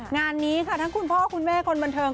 งานนี้ค่ะทั้งคุณพ่อคุณแม่คนบันเทิง